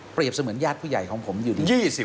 เปรียบเสมือนญาติผู้ใหญ่ของผมอยู่ดี